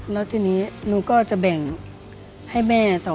แล้วทีนี้หนูก็จะแบ่งให้แม่